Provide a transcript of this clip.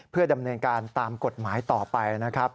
เพื่อดำเนินการตามกฎหมายต่อไปนะครับ